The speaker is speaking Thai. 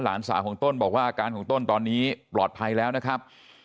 หลานสาวของต้นบอกว่าอาการของต้นตอนนี้ปลอดภัยแล้วนะครับ